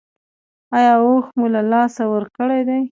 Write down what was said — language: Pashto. ایا هوښ مو له لاسه ورکړی دی؟